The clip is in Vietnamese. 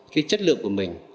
cái chất lượng của mình